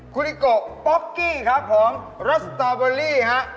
คุณลิโกะป๊อกกี้ครับของรัสสตอเบอร์รี่ครับ